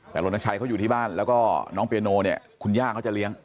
แต่รณชัยเขาอยู่ที่บ้านแล้วก็น้องเปียโนเนี่ยคุณย่าเขาจะเลี้ยง